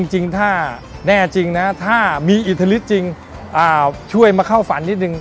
จริงถ้าแน่จริงนะถ้ามีอิทธิฤทธิจริงช่วยมาเข้าฝันนิดนึง